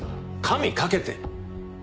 神掛けて。